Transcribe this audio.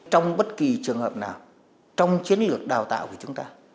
trong bất kỳ trường hợp nào trong chiến lược đào tạo của chúng ta